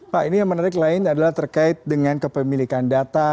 pak ini yang menarik lain adalah terkait dengan kepemilikan data